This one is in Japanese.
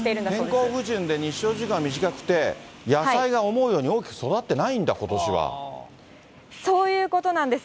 天候不順で日照時間が短くて野菜が思うように大きく育っていそういうことなんです。